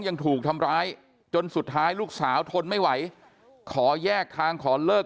ยังถูกทำร้ายจนสุดท้ายลูกสาวทนไม่ไหวขอแยกทางขอเลิก